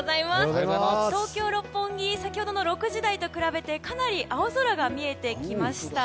東京・六本木先ほどの６時台と比べてかなり青空が見えてきました。